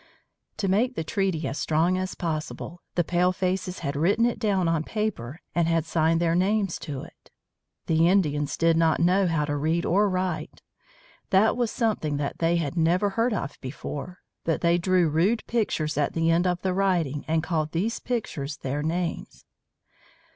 To make the treaty as strong as possible, the palefaces had written it down on paper and had signed their names to it. The Indians did not know how to read or write. That was something that they had never heard of before. But they drew rude pictures at the end of the writing and called these pictures their names.